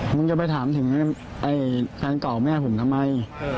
มึงจะไปถามถึงแฟนเก่าแม่ผมทำไม